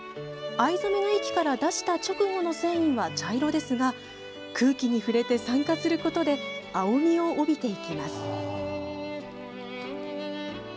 藍染めの液から出した直後の繊維は茶色ですが空気に触れて酸化することで青みを帯びていきます。